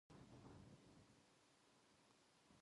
別々のものが、とけあって区別がつかないこと。